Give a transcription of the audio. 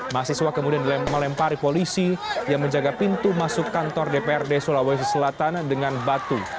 mahasiswa kemudian melempari polisi yang menjaga pintu masuk kantor dprd sulawesi selatan dengan batu